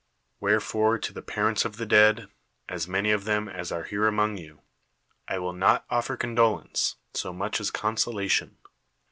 Wherefore to tlic parents of the dead — as many of thein as are here among you — I will not offer condolence, so much as consolation.